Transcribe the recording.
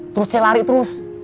terus saya lari terus